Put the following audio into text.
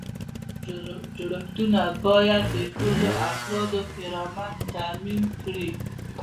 جوړښتونه باید د ټولو افرادو کرامت تامین کړي.